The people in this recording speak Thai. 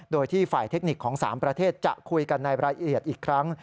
โดยที่ฝ่ายเทคนิคของ๓ประเทศจะคุยกันในรายละเอียดอีกครั้ง